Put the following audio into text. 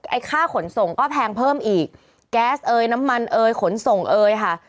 ไอ้ค่าขนส่งก็แพงเพิ่มอีกแก๊สเอยน้ำมันเอยขนส่งเอยค่ะ